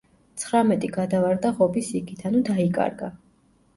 ცხრამეტი გადავარდა ღობის იქით, ანუ დაიკარგა.